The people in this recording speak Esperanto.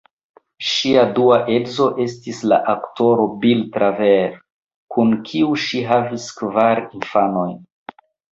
Ŝia dua edzo estis la aktoro Bill Travers, kun kiu ŝi havis kvar infanojn.